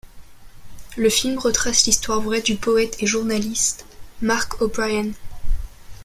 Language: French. Le film retrace l'histoire vraie du poète et journaliste Mark O'Brien.